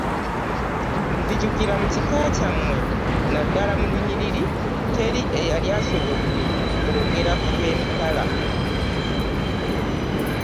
Nzijukira mu kika kyammwe naddala mu lunyiriri teri eyali asobodde okwogera ku Iw'emitala.